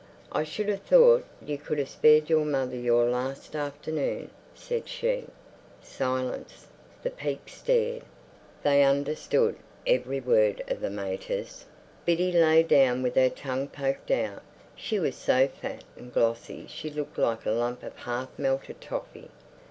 "I should have thought you could have spared your mother your last afternoon," said she. Silence. The Pekes stared. They understood every word of the mater's. Biddy lay down with her tongue poked out; she was so fat and glossy she looked like a lump of half melted toffee.